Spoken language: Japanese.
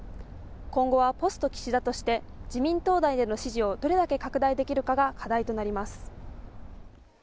今後はポスト岸田として、自民党内での支持をどれだけ拡大できるかが課題となります。